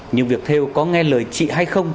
nhưng việc theo có nghe lời chị hay không